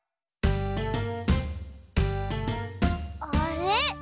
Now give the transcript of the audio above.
あれ？